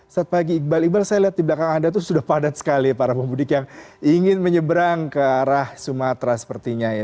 saat pagi iqbal iqbal saya lihat di belakang anda itu sudah padat sekali para pemudik yang ingin menyeberang ke arah sumatera sepertinya ya